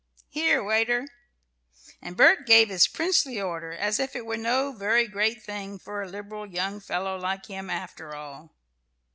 Here, waiter!" And Bert gave his princely order as if it were no very great thing for a liberal young fellow like him, after all.